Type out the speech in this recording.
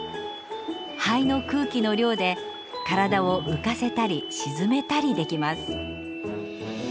肺の空気の量で体を浮かせたり沈めたりできます。